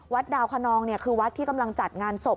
ดาวคนนองคือวัดที่กำลังจัดงานศพ